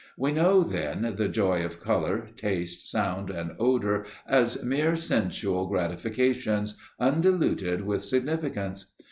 We know, then, the joy of colour, taste, sound and odour as mere sensual gratifications, undiluted with significance.